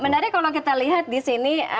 menarik kalau kita lihat disini